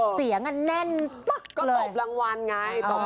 เสียงแน่นเราหลังวัลไง